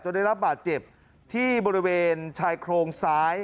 ได้รับบาดเจ็บที่บริเวณชายโครงซ้าย